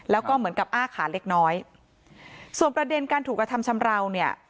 แล้วก็เหมือนกับอ้าขาเล็กน้อยส่วนประเด็นการถูกกระทำชำราวเนี่ย